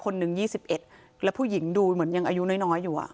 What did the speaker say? หนึ่ง๒๑แล้วผู้หญิงดูเหมือนยังอายุน้อยอยู่